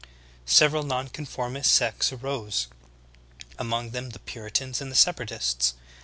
Several non conformist sects arose, among them the Puritans and the Separatists.